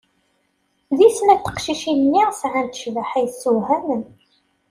Di snat tiqcicin-nni sɛant cbaḥa yessewhamen.